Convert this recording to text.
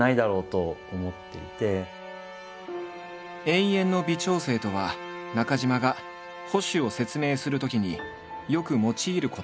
「永遠の微調整」とは中島が保守を説明するときによく用いる言葉だ。